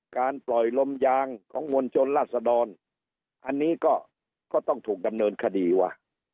การปล่อยลมยางของมวลชนราษดรอันนี้ก็ต้องถูกดำเนินคดีว่ะ